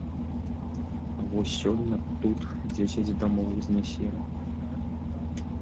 Вось сёння тут дзесяць дамоў знясем.